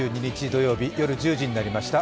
土曜日夜１０時になりました。